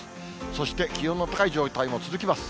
そして、気温の高い状態も続きます。